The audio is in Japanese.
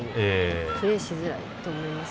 プレーしづらいと思います。